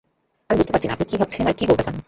আমি বুঝতে পারছি না আপনি কি ভাবছেন, আর কি বলতে চান?